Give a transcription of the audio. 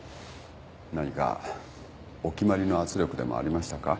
何かお決まりの圧力でもありましたか？